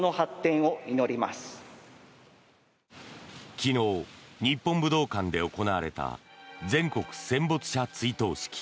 昨日、日本武道館で行われた全国戦没者追悼式。